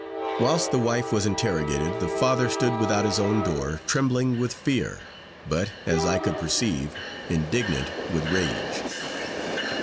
Whilst the wife was interrogated, the father stood without his own door, trembling with fear, but, as I could perceive, indignant with rage.